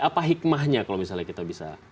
apa hikmahnya kalau misalnya kita bisa